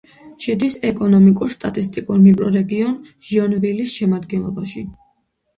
შედის ეკონომიკურ-სტატისტიკურ მიკრორეგიონ ჟოინვილის შემადგენლობაში.